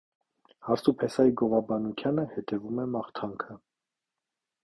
Հարս ու փեսայի գովաբանությանը հետևում է մաղթանքը։